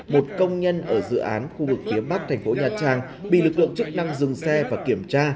một công nhân ở dự án khu vực phía bắc thành phố nha trang bị lực lượng chức năng dừng xe và kiểm tra